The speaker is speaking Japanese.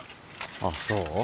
あっそう？